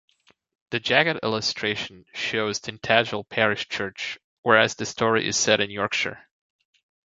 The jacket illustration shows Tintagel Parish Church whereas the story is set in Yorkshire.